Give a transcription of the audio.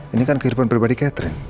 ini kan kehidupan pribadi catering